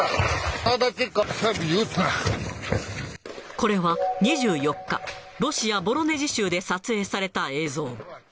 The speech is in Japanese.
これは、２４日、ロシア・ボロネジ州で撮影された映像。